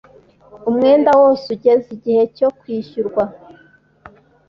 umwenda wose ugeze igihe cyo kwishyurwa